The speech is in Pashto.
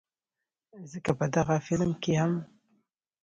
ځکه په دغه فلم کښې هم